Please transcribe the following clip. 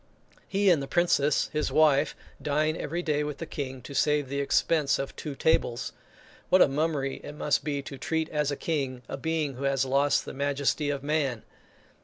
He and the Princess his wife, dine every day with the King, to save the expense of two tables. What a mummery it must be to treat as a king a being who has lost the majesty of man!